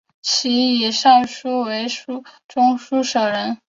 其以善书为中书舍人。